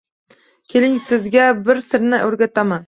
Keling, sizga bir sirni o`rgataman